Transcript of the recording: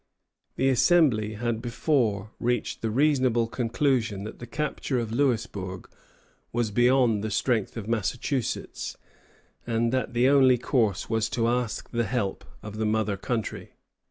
The Assembly had before reached the reasonable conclusion that the capture of Louisbourg was beyond the strength of Massachusetts, and that the only course was to ask the help of the mother country.